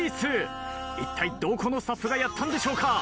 いったいどこのスタッフがやったんでしょうか？